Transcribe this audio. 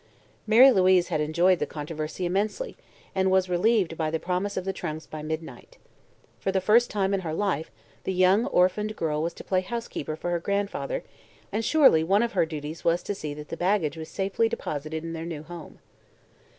Mary Louise had enjoyed the controversy immensely and was relieved by the promise of the trunks by midnight. For the first time in her life the young orphaned girl was to play housekeeper for her grandfather and surely one of her duties was to see that the baggage was safely deposited in their new home.